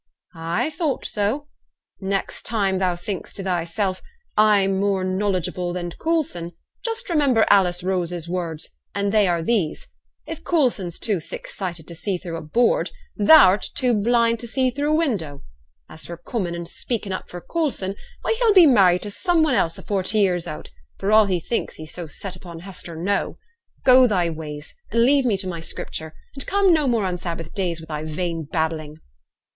'I thought so. Next time thou thinks to thyself, 'I'm more knowledgeable than Coulson,' just remember Alice Rose's words, and they are these: If Coulson's too thick sighted to see through a board, thou'rt too blind to see through a window. As for comin' and speakin' up for Coulson, why he'll be married to some one else afore t' year's out, for all he thinks he's so set upon Hester now. Go thy ways, and leave me to my Scripture, and come no more on Sabbath days wi' thy vain babbling.'